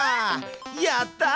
やった！